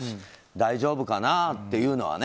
大丈夫かな？っていうのはね。